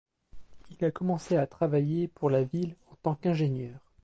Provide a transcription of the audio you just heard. Il a commencé à travailler pour la ville en tant qu'ingénieur.